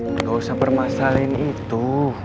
nggak usah permasalahin itu